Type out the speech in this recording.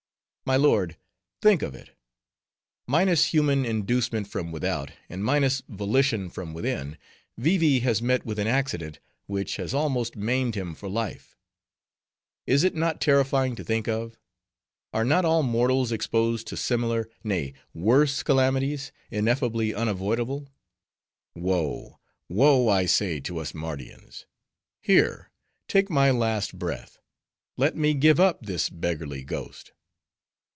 "My lord, think of it. Minus human inducement from without, and minus volition from within, Vee Vee has met with an accident, which has almost maimed him for life. Is it not terrifying to think of? Are not all mortals exposed to similar, nay, worse calamities, ineffably unavoidable? Woe, woe, I say, to us Mardians! Here, take my last breath; let me give up this beggarly ghost!"